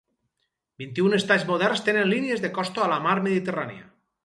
Vint-i-un estats moderns tenen línies de costa a la mar Mediterrània.